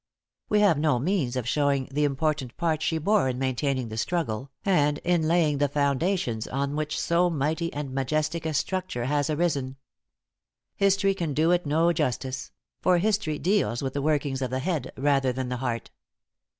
We have no means of showing the important part she bore in maintaining the struggle, and in laying the foundations on which so mighty and majestic a structure has arisen. History can do it no justice; for history deals with the workings of the head, rather than the heart.